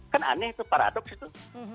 kan aneh itu paradoks itu